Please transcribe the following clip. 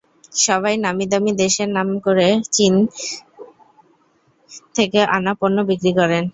সবাই নামীদামি দেশের নাম করে চীন থেকে আনা পণ্য বিক্রি করেন।